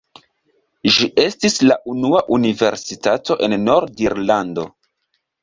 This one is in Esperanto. Ĝi estis la unua universitato en Nord-Irlando.